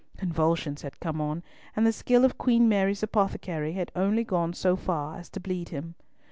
Convulsions had come on, and the skill of Queen Mary's apothecary had only gone so far as to bleed him.